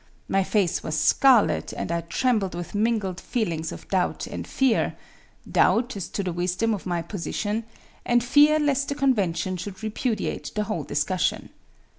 My face was scarlet, and I trembled with mingled feelings of doubt and fear doubt as to the wisdom of my position and fear lest the convention should repudiate the whole discussion.